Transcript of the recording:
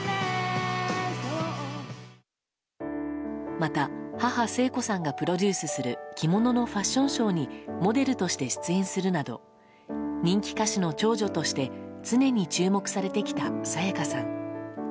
また母・聖子さんがプロデュースする着物のファッションショーにモデルとして出演するなど人気歌手の長女として常に注目されてきた沙也加さん。